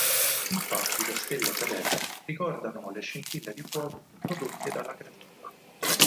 Infatti le stelle cadenti ricordano le scintille di fuoco prodotte dalla graticola.